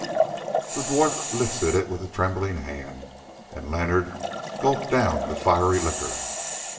The dwarf lifted it with a trembling hand, and Leonard gulped down the fiery liquor.